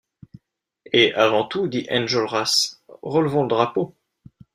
Et, avant tout, dit Enjolras, relevons le drapeau!